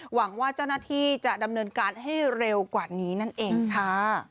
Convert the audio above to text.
หวังว่าเจ้าหน้าที่จะดำเนินการให้เร็วกว่านี้นั่นเองค่ะ